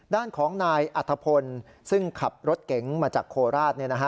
ด้านของนายอัธพลซึ่งขับรถเก๋งมาจากโคราช